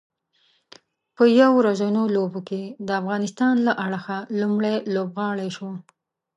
په یو ورځنیو لوبو کې د افغانستان له اړخه لومړی لوبغاړی شو